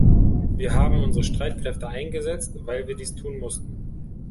Wir haben unsere Streitkräfte eingesetzt, weil wir dies tun mussten.